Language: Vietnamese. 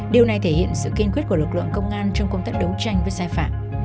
điều này thể hiện sự kiên quyết của lực lượng công an trong công tác đấu tranh với sai phạm